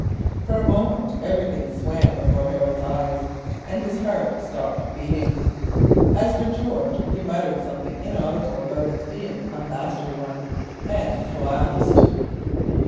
For a moment everything swam before Harold's eyes, and his heart stopped beating. As for George, he muttered something inaudible about its being a "master one," and collapsed.